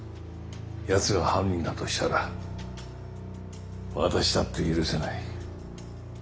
やつが犯人だとしたら私だって許せない。